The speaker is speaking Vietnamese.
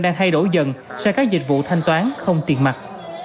đang thay đổi dần sang các dịch vụ thanh toán không tiền mặt